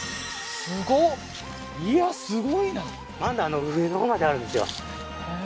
すごっいやすごいなまだあの上のほうまであるんですよ